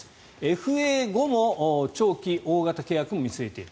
ＦＡ後の長期大型契約も見据えている。